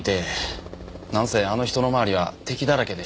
なんせあの人の周りは敵だらけでしたからね。